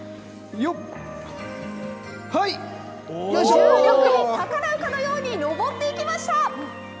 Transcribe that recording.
重力に逆らうかのように上っていきました。